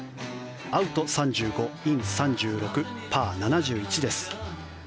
アウト３５、イン３６パー７１です。